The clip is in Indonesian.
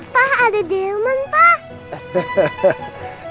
pak ada delman pak